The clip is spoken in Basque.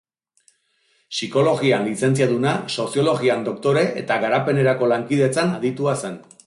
Psikologian lizentziaduna, soziologian doktore eta garapenerako lankidetzan aditua zen.